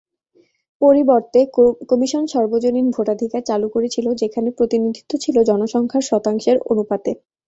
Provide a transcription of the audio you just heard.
পরিবর্তে, কমিশন সর্বজনীন ভোটাধিকার চালু করেছিল, যেখানে প্রতিনিধিত্ব ছিল জনসংখ্যার শতাংশের অনুপাতে।